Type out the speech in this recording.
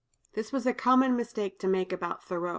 This was a common mistake to make about Thoreau.